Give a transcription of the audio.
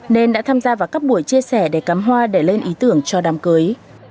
nên đã tham gia vào các buổi chia sẻ để cắm hoa để lên ý tưởng cho đàm cưới